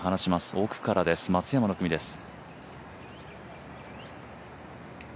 奥からです、松山の組です。